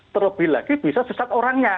terlebih lagi bisa sesat orangnya